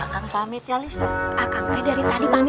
kau adalah lawan